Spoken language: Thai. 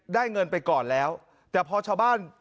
เงินไปก่อนแล้วแต่พอชาวบ้าน